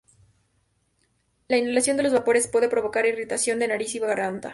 La inhalación de los vapores puede provocar irritación de nariz y garganta.